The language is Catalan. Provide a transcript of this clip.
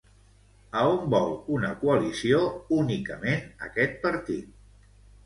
A on vol una coalició únicament aquest partit?